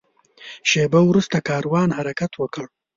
شېبه وروسته کاروان حرکت وکړ.